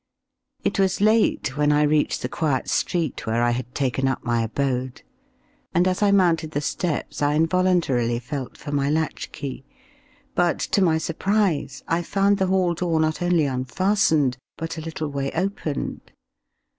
It was late when I reached the quiet street where I had taken up my abode, and as I mounted the steps I involuntarily felt for my latch key, but to my surprise I found the hall door not only unfastened, but a little way opened.